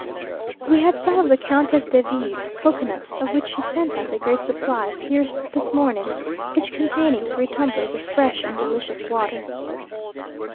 We had some of the Countess de V 's cocoa nuts, of which she sent us a great supply, pierced this morning, each containing three tumblers of fresh and delicious water.